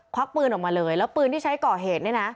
วักปืนออกมาเลยแล้วปืนที่ใช้ก่อเหตุเนี่ยนะ